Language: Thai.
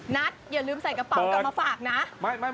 อย่าลืมใส่กระเป๋ากลับมาฝากนะ